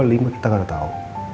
saya gak tau